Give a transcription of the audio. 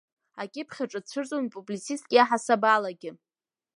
Акьыԥхь аҿы дцәырҵуан публицистк иаҳасаб алагьы.